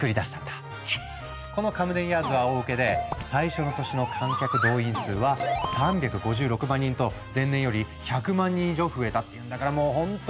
このカムデンヤーズは大ウケで最初の年の観客動員数は３５６万人と前年より１００万人以上増えたっていうんだからもうほんとにグレート！